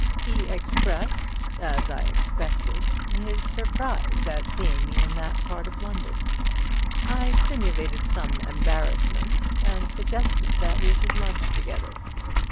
He expressed (as I expected) his surprise at seeing me in that part of London. I simulated some embarrassment and suggested that we should lunch together.